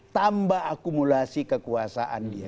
tambah akumulasi kekuasaan dia